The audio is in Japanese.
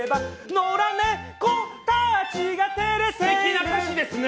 野良猫たちが照れているすてきな歌詞ですね。